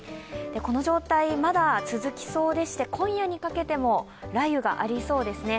この状態、まだ続きそうでして、今夜にかけても雷雨がありそうですね。